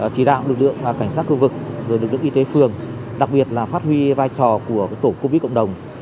chỉ đạo lực lượng cảnh sát khu vực rồi lực lượng y tế phường đặc biệt là phát huy vai trò của tổ covid cộng đồng